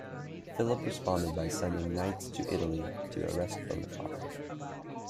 Philip responded by sending knights to Italy to arrest Boniface.